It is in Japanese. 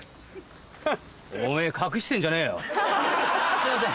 すいません。